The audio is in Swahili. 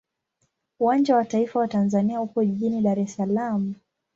Uwanja wa taifa wa Tanzania upo jijini Dar es Salaam.